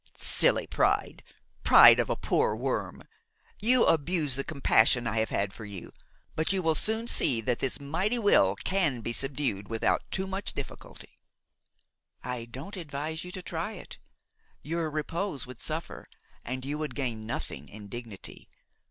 "Silly pride! pride of a poor worm! you abuse the compassion I have had for you! But you will soon see that this mighty will can be subdued without too much difficulty." "I don't advise you to try it; your repose would suffer, and you would gain nothing in dignity."